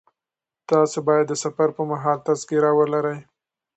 تاسي باید د سفر پر مهال تذکره ولرئ.